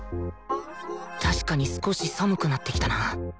確かに少し寒くなってきたな